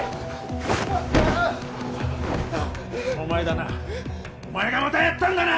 あああっあああお前だなお前がまたやったんだな！